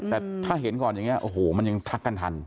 แต่ถ้าเห็นก่อนอย่างนี้โอ้โหมันยังทักกันทัน